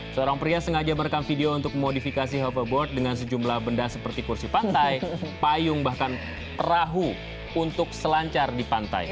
seorang pria sengaja merekam video untuk memodifikasi halferboard dengan sejumlah benda seperti kursi pantai payung bahkan perahu untuk selancar di pantai